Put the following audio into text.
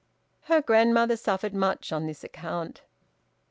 Her grandmother suffered much on this account.